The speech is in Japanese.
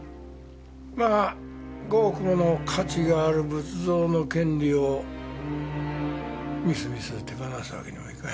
まあ５億もの価値がある仏像の権利をみすみす手放すわけにはいかへんしな。